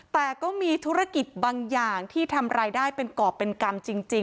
แต่ก็มีธุรกิจบางอย่างที่ทำรายได้เป็นกรอบเป็นกรรมจริง